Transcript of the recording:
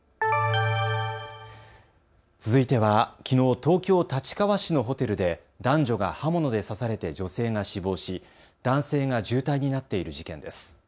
続いてはきのう東京立川市のホテルで男女が刃物で刺されて女性が死亡し男性が重体になっている事件です。